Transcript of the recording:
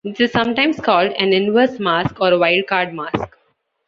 This is sometimes called an inverse mask or a wildcard mask.